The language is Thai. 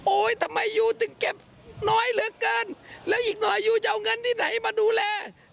ทำไมยูถึงเก็บน้อยเหลือเกินแล้วอีกหน่อยยูจะเอาเงินที่ไหนมาดูแล